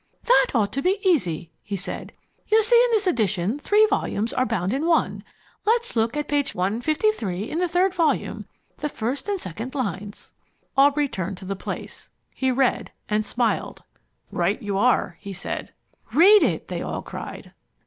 "That ought to be easy," he said. "You see in this edition three volumes are bound in one. Let's look at page 153 in the third volume, the first and second lines." Aubrey turned to the place. He read, and smiled. "Right you are," he said. "Read it!" they all cried.